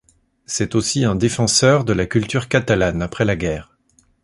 C'est aussi un défenseur de la culture catalane après la guerre.